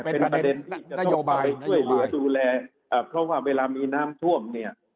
เป็นประเด็นนโยบายช่วยเหลือดูแลเพราะว่าเวลามีน้ำท่วมเนี่ย